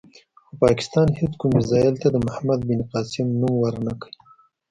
خو پاکستان هېڅ کوم میزایل ته د محمد بن قاسم نوم ور نه کړ.